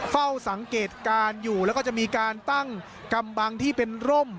เฝ้าสังเกตการณ์อยู่แล้วก็จะมีการตั้งกำบังที่เป็นร่ม